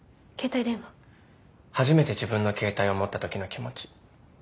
初めて自分の携帯を持ったときの気持ち。